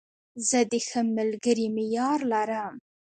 زه د ښه ملګري معیار لرم.